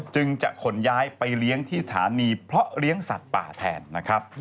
จึงจะขนย้ายไปเลี้ยงที่สถานีเพราะเลี้ยงสัตว์ป่าแทนนะครับ